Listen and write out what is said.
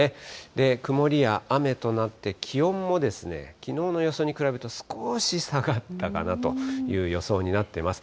で、曇りや雨となって、気温もきのうの予想に比べると、少し下がったかなという予想になってます。